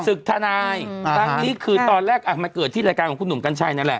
ศึกทนายครั้งนี้คือตอนแรกมาเกิดที่รายการของคุณหนุ่มกัญชัยนั่นแหละ